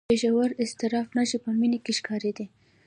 د ژور اضطراب نښې په مينې کې ښکارېدې